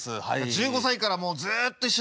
１５歳からもうずっと一緒なんで。